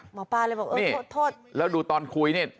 หมอปลาเลยบอกเออโทษแล้วดูตอนคุยนี่